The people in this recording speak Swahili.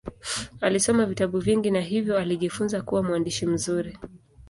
Alisoma vitabu vingi na hivyo alijifunza kuwa mwandishi mzuri.